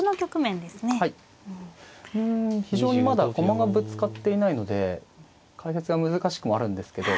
うん非常にまだ駒がぶつかっていないので解説が難しくもあるんですけど